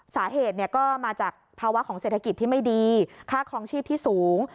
สาเหตุก็มาจากภาวะของเศรษฐกิจที่ไม่ดีค่าครองชีพที่สูง